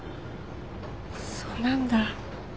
そうなんだ。